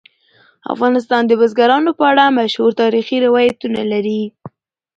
افغانستان د بزګانو په اړه مشهور تاریخي روایتونه لري.